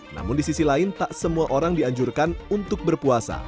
namun di sisi lain tak semua orang dianjurkan untuk berpuasa